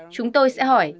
chúng tôi sẽ hỏi